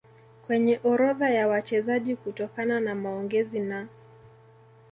kwenye orodha ya wachezaji Kutokana na maongezi na